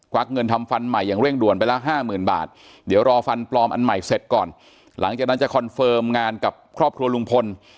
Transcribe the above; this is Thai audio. วักเงินทำฟันใหม่อย่างเร่งด่วนไปละห้าหมื่นบาทเดี๋ยวรอฟันปลอมอันใหม่เสร็จก่อนหลังจากนั้นจะคอนเฟิร์มงานกับครอบครัวลุงพล